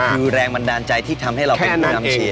คือแรงบันดาลใจที่ทำให้เราเป็นผู้นำเชียร์